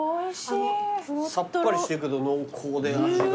さっぱりしてるけど濃厚で味が。